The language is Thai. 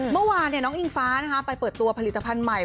เมื่อวานน้องอิงฟ้าไปเปิดตัวผลิตภัณฑ์ใหม่